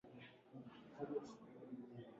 Kandi ntiyarya atabanje gusenga